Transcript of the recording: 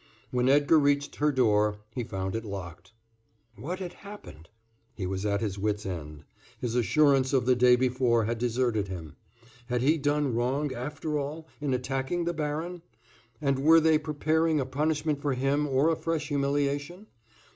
When Edgar reached her door he found it locked. What had happened? He was at his wits' end. His assurance of the day before had deserted him. Had he done wrong, after all, in attacking the baron? And were they preparing a punishment for him or a fresh humiliation?